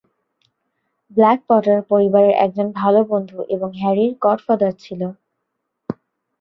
Black Potter পরিবারের একজন ভাল বন্ধু এবং হ্যারির গডফাদার ছিল।